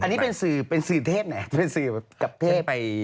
อันนี้เป็นสื่อเทพไหนเป็นสื่อกับเทพ